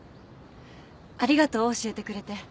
ありがとう教えてくれて。